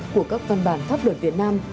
của các văn bản pháp luật việt nam